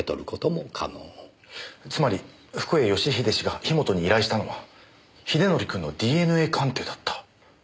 つまり福栄義英氏が樋本に依頼したのは英則くんのＤＮＡ鑑定だった。